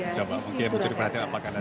coba mungkin mencuri perhatian apakah nanti